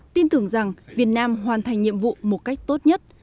tin tưởng rằng việt nam hoàn thành nhiệm vụ một cách tốt nhất